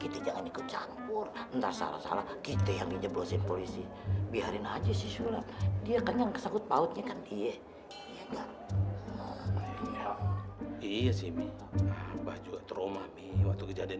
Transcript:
terus saya sama